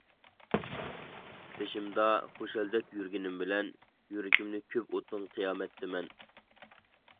تېشىمدا خۇشالدەك يۈرگىنىم بىلەن، يۈرىكىمدە كۆپ ئوتۇڭ قىيامەتتە مەن.